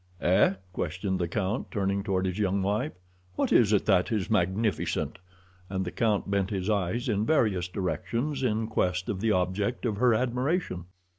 "Eh?" questioned the count, turning toward his young wife. "What is it that is magnificent?" and the count bent his eyes in various directions in quest of the object of her admiration.